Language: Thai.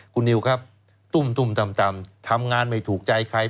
คุณนิวครับตุ้มต่ำทำงานไม่ถูกใจใคร